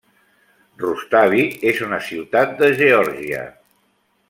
Rustavi és una ciutat Geòrgia.